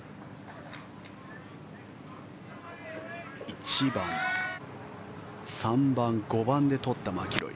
１番、３番、５番で取ったマキロイ。